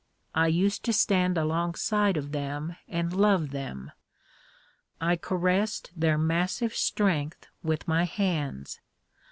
I used to stand alongside of them and love them. I caressed their massive strength with my hands.